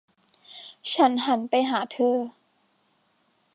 ฉันหันไปหาเธอ